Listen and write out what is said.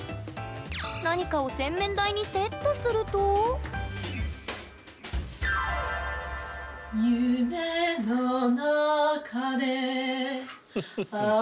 何かを洗面台にセットするとフフフ！